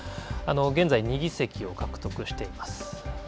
現在、２議席を獲得しています。